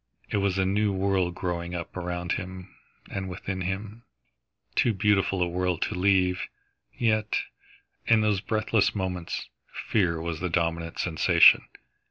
It was a new world growing up around him and within him, too beautiful a world to leave. Yet, in those breathless moments, fear was the dominant sensation.